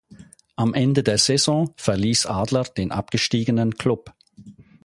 Am Ende der Saison verließ Adler den abgestiegenen Club.